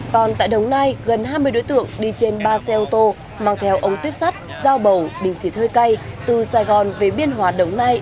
còn tại đồng nai gần hai mươi đối tượng đi trên ba xe ô tô mang theo ống tiếp sát giao bầu bình xỉ thuê cây từ sài gòn về biên hòa đồng nai